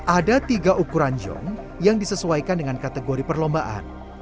ada tiga ukuran john yang disesuaikan dengan kategori perlombaan